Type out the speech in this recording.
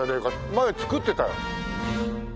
前造ってたよ。